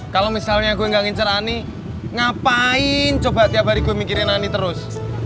kalau misalnya gue gak ngincer ani ngapain coba tiap hari gue mikirin ani terus